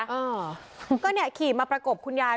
อ่าก็เนี่ยขี่มาประกบคุณยาย